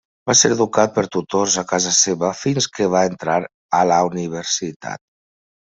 Va ser educat per tutors a casa seva fins que va entrar a la universitat.